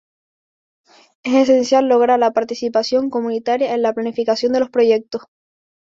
Es esencial lograr la participación comunitaria en la planificación de los proyectos.